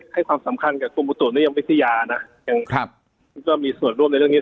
ให้ความสำคัญกับกรมอุตุนิยมวิทยานะยังครับก็มีส่วนร่วมในเรื่องนี้